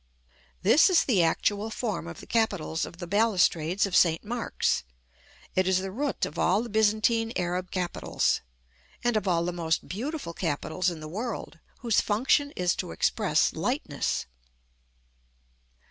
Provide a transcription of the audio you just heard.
This is the actual form of the capitals of the balustrades of St. Mark's: it is the root of all the Byzantine Arab capitals, and of all the most beautiful capitals in the world, whose function is to express lightness.